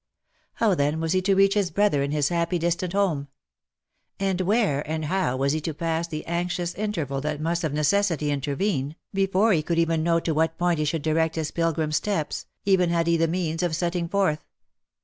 How then was he to reach his brother in his happy distant home ? And where and how was he to pass the anxious interval that must of necessity intervene before he could even know to what point he should direct his pilgrim steps, even had he the means of setting forth?